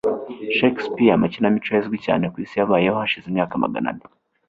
Shakespeare, amakinamico ye azwi cyane ku isi, yabayeho hashize imyaka magana ane